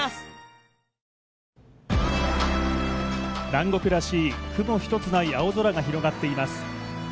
南国らしい雲一つない青空が広がっています。